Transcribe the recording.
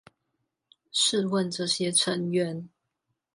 試問這些成員